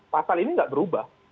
pasal ini nggak berubah